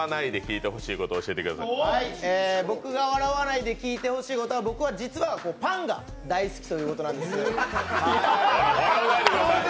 僕が笑わないで聞いてほしいことは、僕は、実はパンが大好きということなんです。